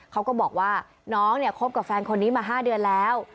เขาก็บอกว่าน้องเนี่ยคบกับแฟนคนนี้มา๕เดือนแล้ว